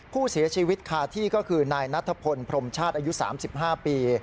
ผู้เสียชีวิตคาที่ก็คือนายนัทพลพรมชาติอายุ๓๕ปี